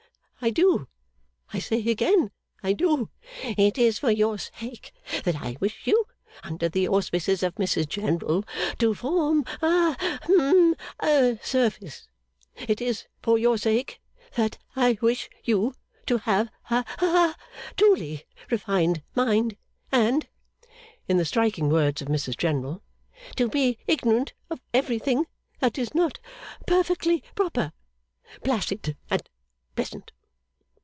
I do; I say again, I do. It is for your sake that I wish you, under the auspices of Mrs General, to form a hum a surface. It is for your sake that I wish you to have a ha truly refined mind, and (in the striking words of Mrs General) to be ignorant of everything that is not perfectly proper, placid, and pleasant.